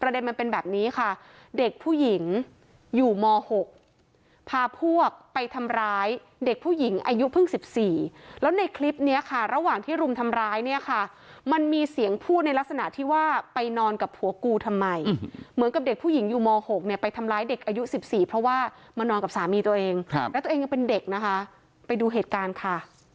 แล้วในคลิปนี้ค่ะระหว่างที่รุมทำร้ายเนี่ยค่ะมันมีเสียงพูดในลักษณะที่ว่าไปนอนกับผัวกูทำไมเหมือนกับเด็กผู้หญิงอยู่ม๖ไปทำร้ายเด็กอายุ๑๔เพราะว่ามานอนกับสามีตัวเองและตัวเองเป็นเด็กนะคะไปดูเหตุการณ์ค่ะ